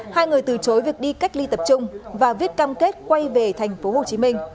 hai người từ chối việc đi cách ly tập trung và viết cam kết quay về tp hcm